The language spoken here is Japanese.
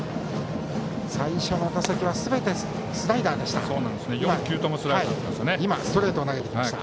最初の打席はすべてスライダーでした。